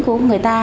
của người ta